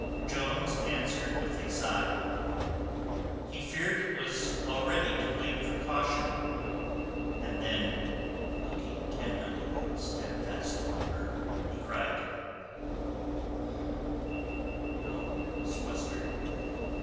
Jones answered with a sigh, "He feared it was already too late for caution:" and then looking tenderly and stedfastly on her, he cried, "Oh, Miss Western!